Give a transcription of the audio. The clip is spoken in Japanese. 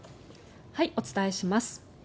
お伝えします。